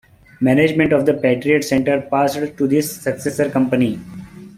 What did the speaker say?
Management of the Patriot Center passed to this successor company.